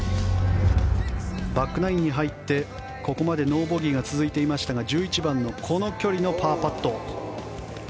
バックナインに入ってここまでノーボギーが続いていましたが１１番のこの距離のパーパット。